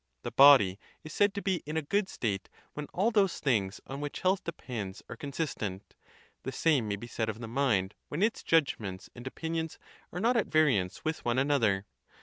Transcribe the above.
The body is said to be in a good state when all those things on which health depends are consistent: the same may be said of the mind when its judgments and opinions are not at variance with one another.